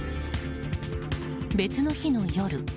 別の日の夜。